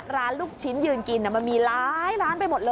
ลูกชิ้นยืนกินมันมีหลายร้านไปหมดเลย